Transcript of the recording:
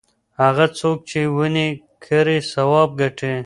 هغه څوک چې ونې کري ثواب ګټي.